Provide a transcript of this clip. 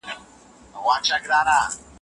بیا دا کلالې په سیوري یا ماشین کې وچېږي.